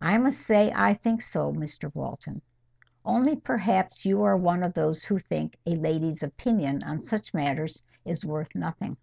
I must say I think so, Mr Walton. Only perhaps you are one of those who think a lady's opinion on such matters is worth nothing."